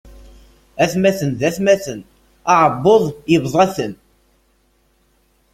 Atmaten d atmaten, aεebbuḍ yebḍa-ten.